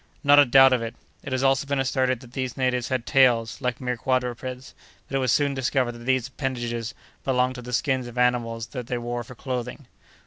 "Not a doubt of it! It has also been asserted that these natives had tails, like mere quadrupeds; but it was soon discovered that these appendages belonged to the skins of animals that they wore for clothing."